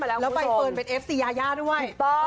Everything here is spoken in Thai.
แล้วใบเฟิร์นเป็นเอฟซียายาด้วย